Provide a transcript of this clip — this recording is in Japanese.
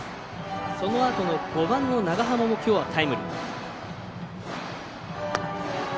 そのあとの５番の長濱もきょうはタイムリー。